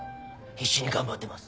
「必死に頑張ってます」